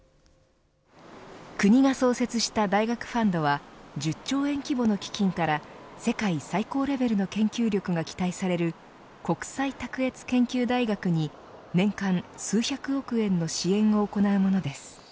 国が創設した大学ファンドは１０兆円規模の基金から世界最高レベルの研究力が期待される国際卓越研究大学に年間数百億円の支援を行うものです。